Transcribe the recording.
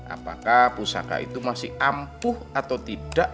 apakah pusaka itu masih ampuh atau tidak